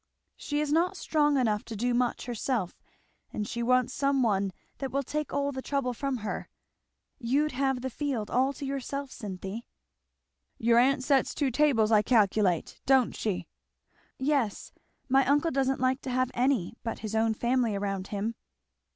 "She is not strong enough to do much herself, and she wants some one that will take all the trouble from her. You'd have the field all to yourself, Cynthy." "Your aunt sets two tables I calculate, don't she?" "Yes my uncle doesn't like to have any but his own family around him."